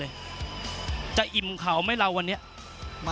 นักมวยจอมคำหวังเว่เลยนะครับ